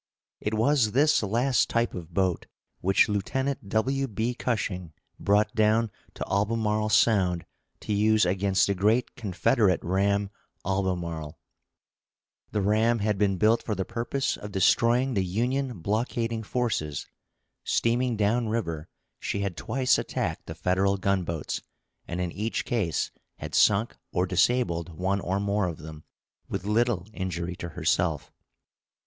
It was this last type of boat which Lieutenant W. B. Cushing brought down to Albemarle Sound to use against the great Confederate ram Albemarle. The ram had been built for the purpose of destroying the Union blockading forces. Steaming down river, she had twice attacked the Federal gunboats, and in each case had sunk or disabled one or more of them, with little injury to herself.